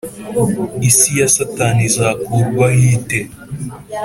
Isi ya satani izakurwaho ite